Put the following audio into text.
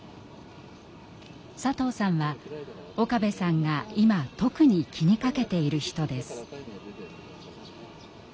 佐藤さんは岡部さんが今特に気にかけている人です。